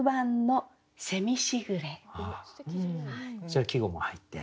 それは季語も入って。